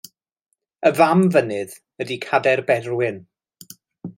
Y fam fynydd ydy Cadair Berwyn.